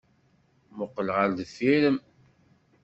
Mmuqqel ɣer deffir-m!